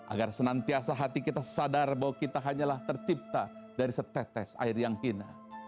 agar senantiasa hati kita sadar bahwa kita hanyalah tercipta dari setetes air yang hina